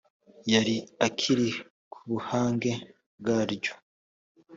yari akiri ku buhange bwaryo.